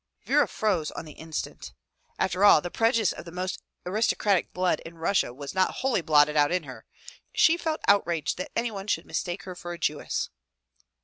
Vera froze on the instant. After all, the prejudice of the most aristocratic blood in Russia was not wholly blotted out in her. She felt outraged that anyone should mistake her for a Jewess.